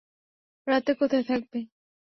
রাতে কোথায় থাকবি?